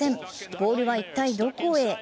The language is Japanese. ボールは一体どこへ？